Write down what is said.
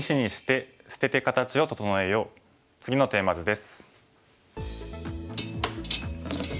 次のテーマ図です。